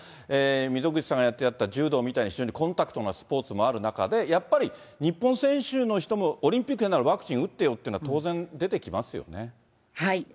溝口さんがやっていた柔道みたいに非常にコンタクトなスポーツもある中で、やっぱり日本選手の人も、オリンピックやるならワクチン打ってよというのは当然出てきますよね。